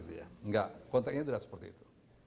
enggak konteknya tidak seperti itu